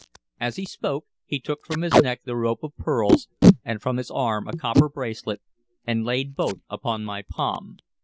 As he spoke, he took from his neck the rope of pearls and from his arm a copper bracelet, and laid both upon my palm.